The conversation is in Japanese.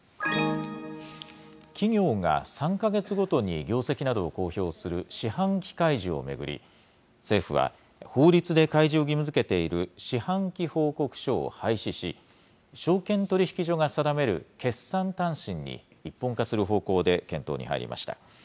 企業が３か月ごとに業績などを公表する四半期開示を巡り、政府は、法律で開示を義務づけている四半期報告書を廃止し、証券取引所が定める決算短信に一本化する方向で検討に入りました。